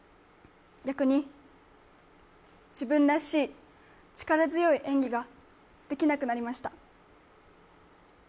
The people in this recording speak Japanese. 逆に、自分らしい力強い演技ができなくなりました。